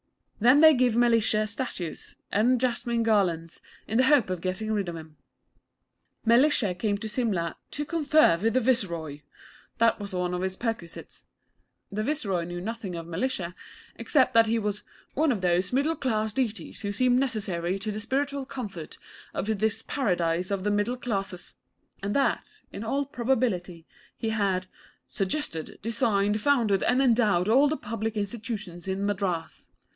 Then they give Mellishe statues and jasmine garlands, in the hope of getting rid of him. Mellishe came up to Simla 'to confer with the Viceroy.' That was one of his perquisites. The Viceroy knew nothing of Mellishe except that he was 'one of those middle class deities who seem necessary to the spiritual comfort of this Paradise of the Middle classes,' and that, in all probability he had 'suggested, designed, founded, and endowed all the public institutions in Madras.'